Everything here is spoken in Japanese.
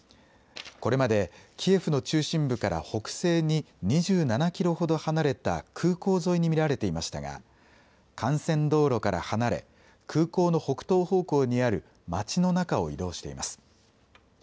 これまでキエフの中心部から北西に２７キロほど離れた空港沿いに見られていましたが幹線道路から離れ空港の北東方向にある町の中を移動しています。